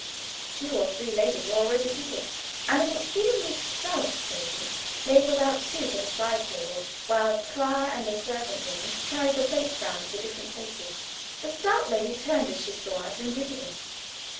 Two or three ladies were already seated, and an exceedingly stout lady ladled out soup at a side table, while Clara and a servant woman carried the plates round to the different places. The stout lady turned as she saw us, and greeted us.